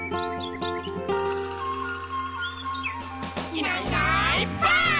「いないいないばあっ！」